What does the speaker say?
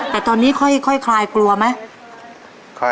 แต่ตอนนี้ค่อยคลายกลัวไหม